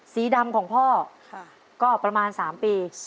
สีดำของพ่อก็ประมาณ๓ปี